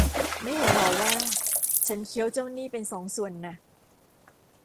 ไม่เห็นหรอว่าฉันเคี้ยวเจ้านี้เป็นสองส่วนน่ะ